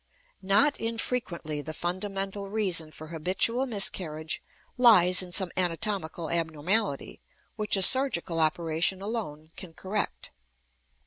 Not infrequently the fundamental reason for habitual miscarriage lies in some anatomical abnormality which a surgical operation alone can correct.